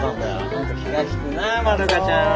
本当気が利くなあ窓花ちゃんは。